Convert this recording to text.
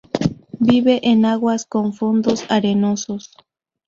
Vive en aguas con fondos arenosos.